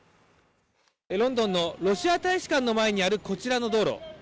ロンドンのロシア大使館の前にあるこちらの道路